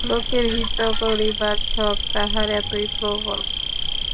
লোকের হিত করিবার শখ তাহার এতই প্রবল।